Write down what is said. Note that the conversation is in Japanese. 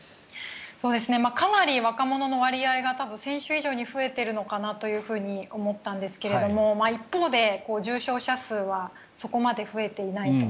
かなり若者の割合が先週以上に増えているのかなと思ったんですけど一方で重症者数はそこまで増えていないと。